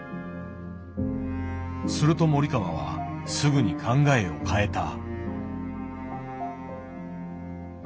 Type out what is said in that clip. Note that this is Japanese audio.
すると森川はすぐに考えを変えた。